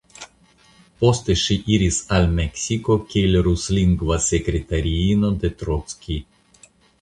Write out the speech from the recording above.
Poste ŝi iris al Meksiko kiel ruslingva sekretariino de Trockij.